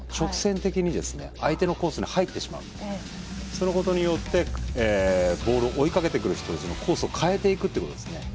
そのことによってボールを追いかけてくる人たちのコースを変えていくっていうことですね。